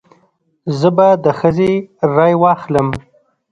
زه به د ښځې رای واخلم.